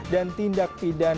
dan tindak penyelidikan